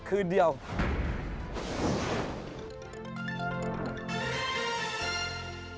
สวัสดีครับ